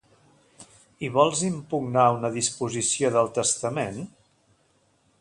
I vols impugnar una disposició del testament?